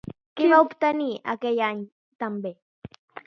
Què va obtenir aquell any també?